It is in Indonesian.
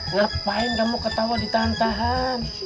ngapain kamu ketawa ditahan tahan